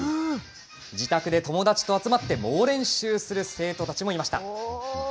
自宅で友達と集まって猛練習する生徒たちもいました。